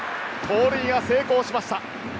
盗塁が成功しました。